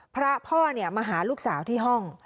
พระพ่อมาหาลูกสาวที่ห้อง